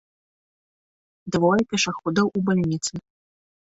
Двое пешаходаў у бальніцы.